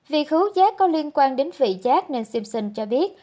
vì khứu chát có liên quan đến vị chát nên simpson cho biết